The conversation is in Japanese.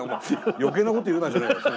余計なこと言うなじゃないよ。